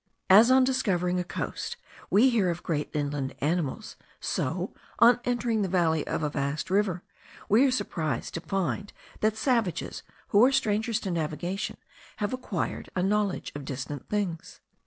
As on discovering a coast, we hear of great inland animals, so, on entering the valley of a vast river, we are surprised to find that savages, who are strangers to navigation, have acquired a knowledge of distant things.